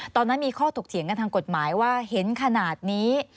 ตอนนั้นมีข้อถกเถียงกันทางกฎหมายว่าเห็นขนาดนี้